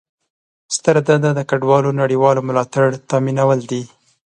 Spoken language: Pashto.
ستره دنده د کډوالو نړیوال ملاتړ تامینول دي.